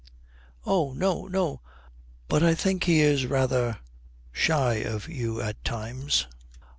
'Oh no, no; but I think he is rather shy of you at times.'